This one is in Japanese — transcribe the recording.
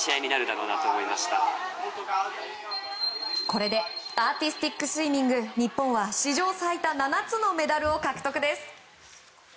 これでアーティスティックスイミング日本は史上最多７つのメダルを獲得です！